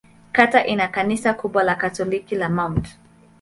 Kata ina kanisa kubwa la Katoliki la Mt.